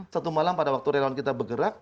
satu malam pada waktu relawan kita bergerak